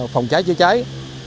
phòng cháy chữa cháy